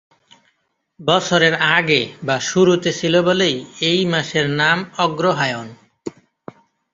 বছরের আগে বা শুরুতে ছিল বলেই এই মাসের নাম 'অগ্রহায়ণ'।